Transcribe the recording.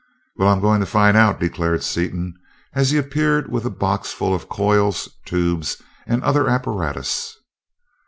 "Well, I'm going to find out," declared Seaton, as he appeared with a box full of coils, tubes, and other apparatus.